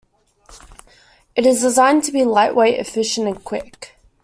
It is designed to be light-weight, efficient and quick.